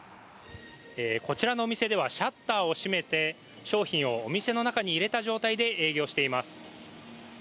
こちらのお店ではシャッターを閉めて商品をお店の中に入れた状態で営業しています。